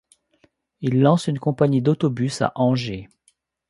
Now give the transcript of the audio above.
Il lance une compagnie d'autobus à Angers.